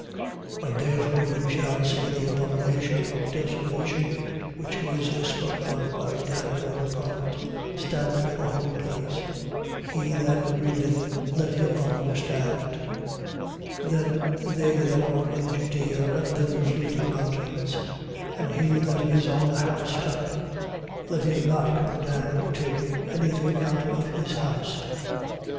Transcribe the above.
When therefore you shall see the abomination of desolation, which was spoken of by Daniel the prophet, standing in the holy place: he that readeth let him understand. 24:16. Then they that are in Judea, let them flee to the mountains: 24:17. And he that is on the housetop, let him not come down to take any thing out of his house: 24:18.